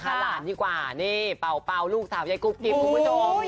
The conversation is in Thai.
หลานดีกว่านี่เป่าลูกสาวยายกุ๊กกิ๊บคุณผู้ชม